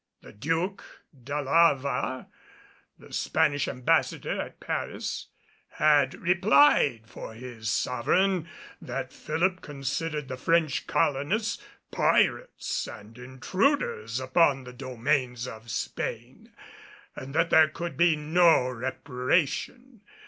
The Duke d'Alava the Spanish Ambassador at Paris, had replied for his sovereign that Philip considered the French colonists pirates and intruders upon the domains of Spain, and that there could be no reparation.